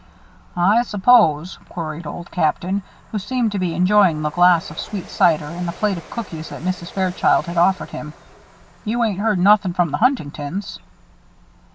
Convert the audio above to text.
"I s'pose," queried Old Captain, who seemed to be enjoying the glass of sweet cider and the plate of cookies that Mrs. Fairchild had offered him, "you ain't heard nothin' from the Huntingtons?"